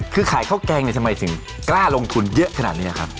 คือขายข้าวแกงเนี่ยทำไมถึงกล้าลงทุนเยอะขนาดนี้ครับ